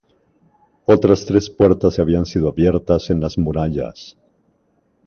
Otras tres puertas habían sido abiertas en las murallas.